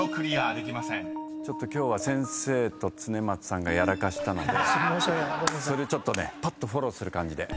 ちょっと今日は先生と恒松さんがやらかしたのでそれパッとフォローする感じで。